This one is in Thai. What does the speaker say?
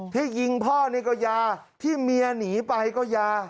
ที่ยิงพ่อนี่ก็ยาที่เมียหนีไปก็ยา